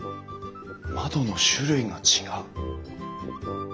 窓の種類が違う。